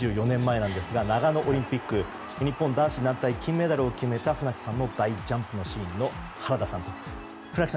２４年前なんですが長野オリンピック日本男子団体金メダルを決めた船木さんの大ジャンプのシーンの原田さんです。